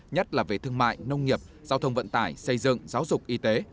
nhất là về thương mại nông nghiệp giao thông vận tải xây dựng giáo dục y tế